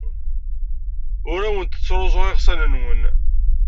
Ur awent-ttruẓuɣ iɣsan-nwen.